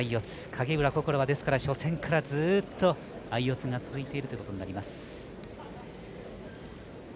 影浦心は初戦からずっと相四つが続いているということになります。